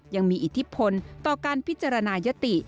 ยังมีอิทธิพลต่อการพิจารณายติ